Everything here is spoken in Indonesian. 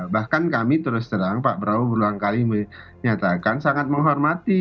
bahkan kami terus terang pak prabowo berulang kali menyatakan sangat menghormati